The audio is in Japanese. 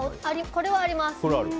これはあります。